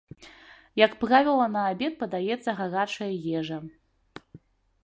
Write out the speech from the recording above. Як правіла на абед падаецца гарачая ежа.